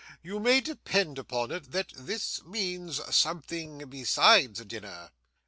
You may depend upon it that this means something besides dinner.